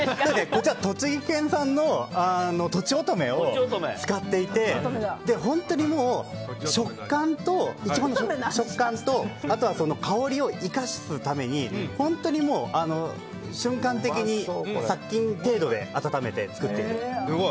こちら栃木県産のとちおとめを使っていて本当にイチゴの食感と香りを生かすために本当に瞬間的に殺菌程度で温めて作っている。